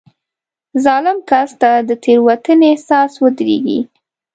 ظالم کس ته د تېروتنې احساس ودرېږي.